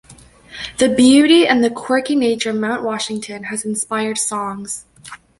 The "beauty and the quirky nature of Mount Washington" has inspired songs.